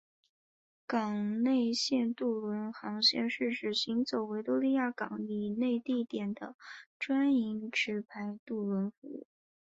港内线渡轮航线是指行走维多利亚港以内地点的专营持牌渡轮服务。